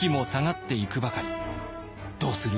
どうする？